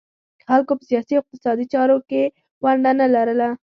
خلکو په سیاسي او اقتصادي چارو کې ونډه نه لرله